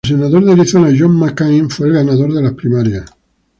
El senador de Arizona John McCain fue el ganador de las primarias.